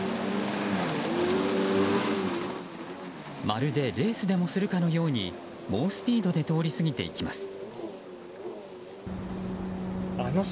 まるでレースでもするかのように猛スピードで通り過ぎていきます。